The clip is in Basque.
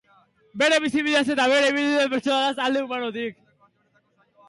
Bere bizibideaz eta bere ibilbide pertsonalaz, alde humanotik.